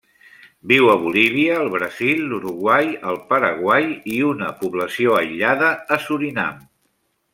Viu a Bolívia, el Brasil, l'Uruguai, el Paraguai i una població aïllada a Surinam.